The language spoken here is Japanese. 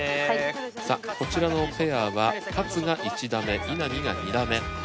さあこちらのペアは勝が１打目稲見が２打目。